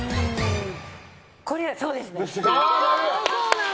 これは、そうですね。